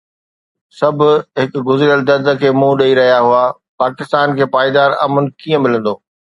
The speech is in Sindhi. سڀ هڪ گڏيل درد کي منهن ڏئي رهيا هئا: پاڪستان کي پائيدار امن ڪيئن ملندو؟